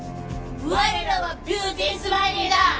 我らはビューティスマイリーだ！